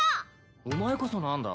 お前こそ何だ？